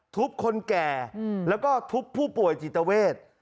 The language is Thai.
คนแก่แล้วก็ทุบผู้ป่วยจิตเวท